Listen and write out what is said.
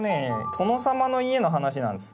殿様の家の話なんです。